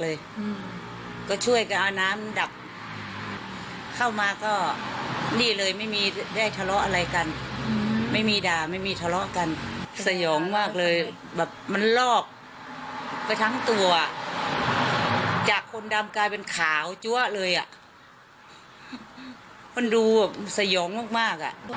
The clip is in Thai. เลยแบบมันลอกกระทั้งตัวจากคนดำกลายเป็นขาวจั๊วเลยอ่ะมันดูสยองมากอ่ะ